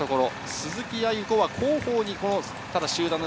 鈴木亜由子は後方に、この、